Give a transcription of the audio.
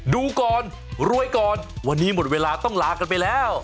ดูก่อนรวยก่อนวันนี้หมดเวลาต้องลากันไปแล้ว